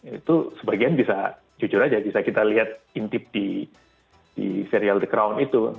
itu sebagian bisa jujur saja bisa kita lihat intip di serial the crown itu